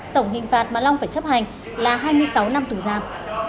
tổng hình phạt mà long phải chấp hành là hai mươi sáu năm tù giam